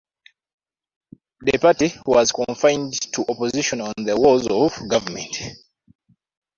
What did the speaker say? The party was confined to opposition on all levels of government.